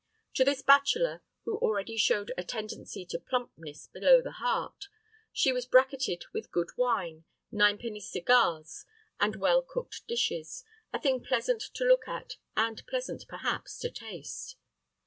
To this bachelor, who already showed a tendency to plumpness below the heart, she was bracketed with good wine, nine penny cigars, and well cooked dishes, a thing pleasant to look at and pleasant perhaps to taste.